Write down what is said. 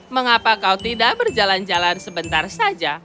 mengapa kau tidak berjalan jalan sebentar saja